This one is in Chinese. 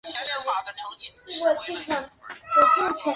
他现在效力于德国足球甲级联赛球队汉堡。